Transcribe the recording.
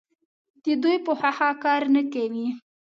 د دوی په خوښه کار نه کوي.